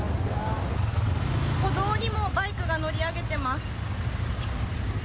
歩道にもバイクが乗り上げてます。